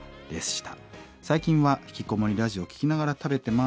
最近は『ひきこもりラジオ』を聴きながら食べてます。